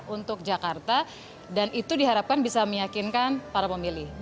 untuk jakarta dan itu diharapkan bisa meyakinkan para pemilih